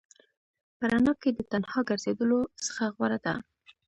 په رڼا کې د تنها ګرځېدلو څخه غوره ده.